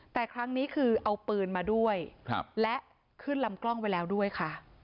แต่ครั้งนี้คือเอาปืนมาด้วยและขึ้นลำกล้องไว้แล้วด้วยค่ะ